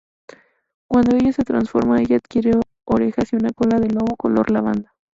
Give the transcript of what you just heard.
Cuando ella se transforma ella adquiere orejas y una cola de lobo color lavanda.